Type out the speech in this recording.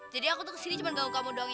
jadi aku tuh kesini cuma ganggu kamu doang ya